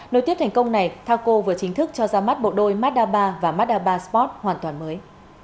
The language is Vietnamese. nối tiếp thành công này taco vừa chính thức cho ra mắt bộ đôi mazda ba và mazda ba sport hoàn toàn mới